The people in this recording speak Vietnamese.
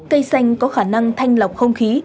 cây xanh có khả năng thanh lọc không khí